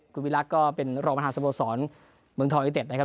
คุณวิรักษ์ก็เป็นรองประธานสโมสรเมืองทองยูเต็ดนะครับ